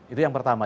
itu yang pertama